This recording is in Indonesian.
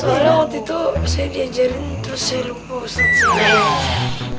soalnya waktu itu saya diajarin terus saya lupa ustadz